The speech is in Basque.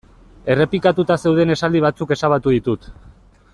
Errepikatuta zeuden esaldi batzuk ezabatu ditut.